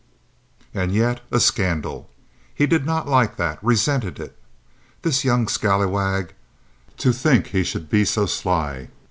And yet a scandal. He did not like that—resented it. This young scalawag! To think he should be so sly.